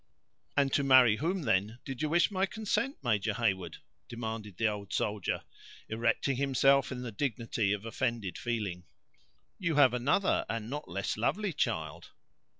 "And to marry whom, then, did you wish my consent, Major Heyward?" demanded the old soldier, erecting himself in the dignity of offended feeling. "You have another, and not less lovely child."